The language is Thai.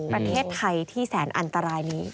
ประเทศไทยที่แสนอันตรายนี้